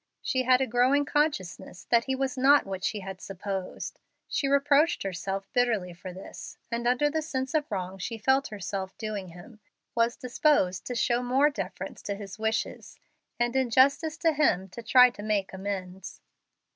She had a growing consciousness that he was not what she had supposed. She reproached herself bitterly for this, and under the sense of the wrong she felt herself doing him, was disposed to show more deference to his wishes, and in justice to him to try to make amends.